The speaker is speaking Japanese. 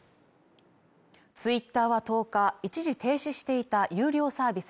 ツイッターは１０日一時停止していた有料サービス